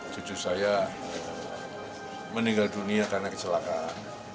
cucu saya meninggal dunia karena kecelakaan